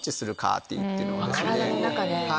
体の中で。